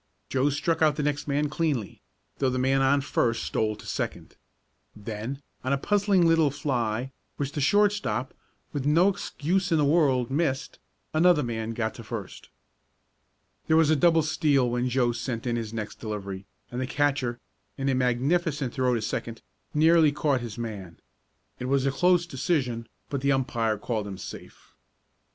Joe struck out the next man cleanly, though the man on first stole to second. Then, on a puzzling little fly, which the shortstop, with no excuse in the world, missed, another man got to first. There was a double steal when Joe sent in his next delivery, and the catcher, in a magnificent throw to second, nearly caught his man. It was a close decision, but the umpire called him safe.